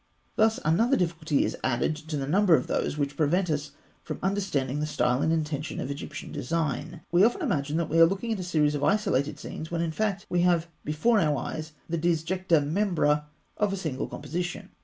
Thus another difficulty is added to the number of those which prevent us from understanding the style and intention of Egyptian design. We often imagine that we are looking at a series of isolated scenes, when in fact we have before our eyes the disjecta membra of a single composition.